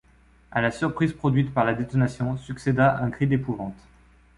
À la surprise produite par la détonation, succéda un cri d’épouvante.